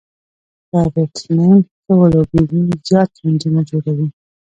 که بيټسمېن ښه ولوبېږي، زیات رنزونه جوړوي.